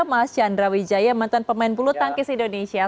mas chandra wijaya mantan pemain bulu tangkis indonesia